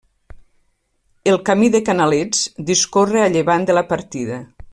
El Camí de Canalets discorre a llevant de la partida.